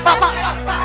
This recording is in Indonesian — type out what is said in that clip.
pak pak pak